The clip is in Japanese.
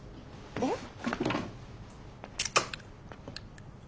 えっ？